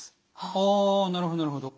あなるほどなるほど。